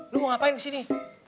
lo mau ngapain kesini